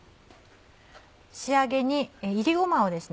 仕上げに炒りごまをですね